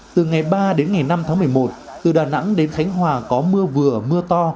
từ ngày ba đến ngày năm tháng một mươi một từ đà nẵng đến khánh hòa có mưa vừa mưa to